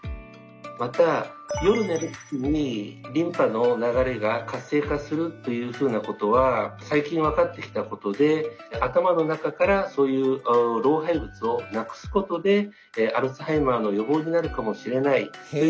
また夜寝る時にリンパの流れが活性化するというふうなことは最近分かってきたことで頭の中からそういう老廃物をなくすことでアルツハイマーの予防になるかもしれないという報告が出始めています。